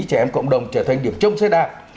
trẻ em cộng đồng trở thành điểm trông xe đạp